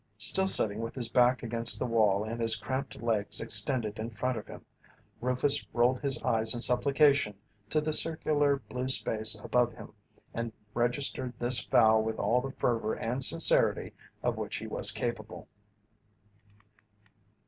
Still sitting with his back against the wall and his cramped legs extended in front of him, Rufus rolled his eyes in supplication to the circular blue space above him and registered this vow with all the fervour and sincerity of which he was capable.